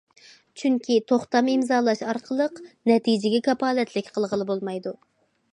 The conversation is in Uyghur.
چۈنكى توختام ئىمزالاش ئارقىلىق نەتىجىگە كاپالەتلىك قىلغىلى بولمايدۇ.